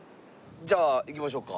じゃあ行きましょうか。